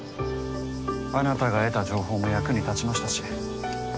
あなたが得た情報も役に立ちましたし。